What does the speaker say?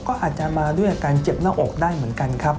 ก็อาจจะมาด้วยอาการเจ็บหน้าอกได้เหมือนกันครับ